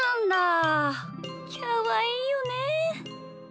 きゃわいいよねえ。